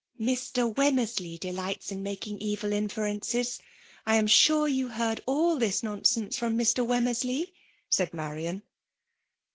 *'*' Mr. Wemmersley delights in making; evil inferences ! I am sure you heard all Ihi^ nonsense from Mr. Wemmersley/* said Marian.